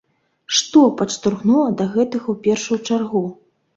Што падштурхнула да гэтага ў першую чаргу?